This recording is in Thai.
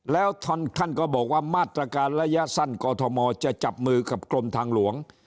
แล้วท่านก็บอกว่ามาตรการระยะสั้นกอทมจะจับมือกับกรมทางหลวง